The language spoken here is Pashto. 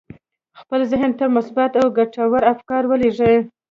خپل ذهن ته مثبت او ګټور افکار ولېږئ.